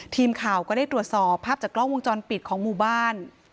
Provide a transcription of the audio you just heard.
ทีมข่าวก็ได้ตรวจสอบภาพจากกล้องวงจรปิดของหมู่บ้าน